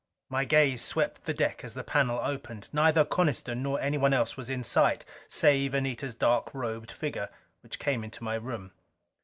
My gaze swept the deck as the panel opened. Neither Coniston nor anyone else was in sight, save Anita's dark robed figure which came into my room.